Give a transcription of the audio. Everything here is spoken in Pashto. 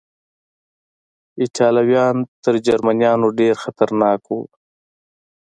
ایټالویان تر جرمنیانو ډېر خطرناک و.